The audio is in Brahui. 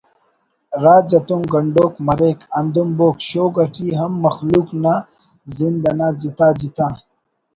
راج اتون گنڈوک مریک ہندن بوگ شوگ اٹی ہم مخلوق نا زند انا جتا جتا